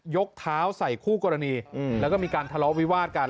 ยกเท้าใส่คู่กรณีแล้วก็มีการทะเลาะวิวาดกัน